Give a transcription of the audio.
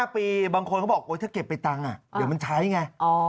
๕ปีบางคนเขาบอกถ้าเก็บไปตังค์เดี๋ยวมันใช้ไง